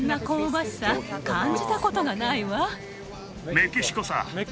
メキシコ。